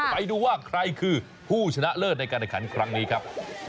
ไปดูว่าใครคือผู้ชนะเลิศในการแข่งขันครั้งนี้ครับ